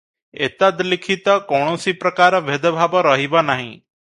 ଏତଦ୍ଲିଖିତ କୌଣସି ପ୍ରକାର ଭେଦଭାବ ରହିବ ନାହିଁ ।